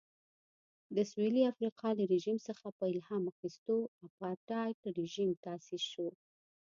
د سوېلي افریقا له رژیم څخه په الهام اخیستو اپارټایډ رژیم تاسیس شو.